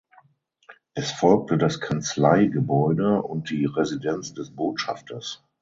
Es folgte das Kanzleigebäude und die Residenz des Botschafters.